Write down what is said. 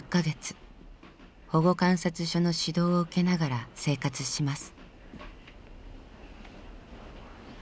保護観察所の指導を受けながら生活します。